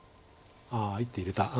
ああ１手入れた。